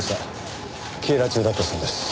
警ら中だったそうです。